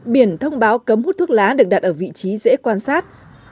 biển thông báo cấm hút thuốc lá được đặt ở vị trí dễ quan sát